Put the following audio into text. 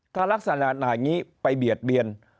ถ้ารักษณะอย่างนี้ไปเบียดเบียน